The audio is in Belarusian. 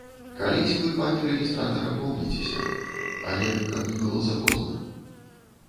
Калісь вы, пане рэгістратар, апомніцеся, але каб не было запозна.